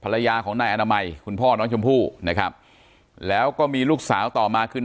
ภรรยาของนายอนามัยคุณพ่อน้องชมพู่นะครับแล้วก็มีลูกสาวต่อมาคือ